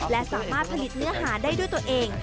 และสามารถผลิตเนื้อหาได้ด้วยตัวเอง